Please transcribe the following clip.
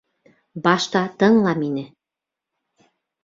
— Башта тыңла мине.